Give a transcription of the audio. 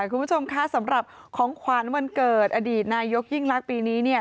คุณผู้ชมค่ะสำหรับของขวานวันเกิดอดีตนายกยิ่งรักปีนี้